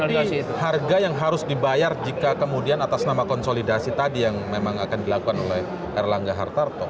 dari harga yang harus dibayar jika kemudian atas nama konsolidasi tadi yang memang akan dilakukan oleh erlangga hartarto